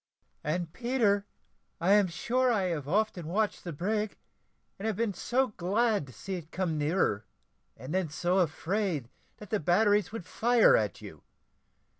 "And, Peter, I am sure I have often watched the brig, and have been so glad to see it come nearer and then so afraid that the batteries would fire at you.